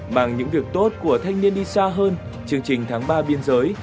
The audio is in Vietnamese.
bằng những việc tốt của thanh niên đi xa hơn chương trình tháng ba biên giới